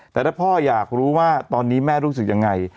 แต่ถ้าพ่ออยากรู้ว่าตอนนี้แม่รู้สึกยังไง